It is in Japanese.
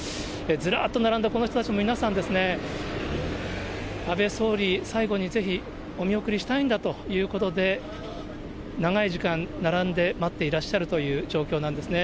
ずらーっと並んだこの人たち、皆さんですね、安倍総理、最後にぜひお見送りしたいんだということで、長い時間、並んで待っていらっしゃるという状況なんですね。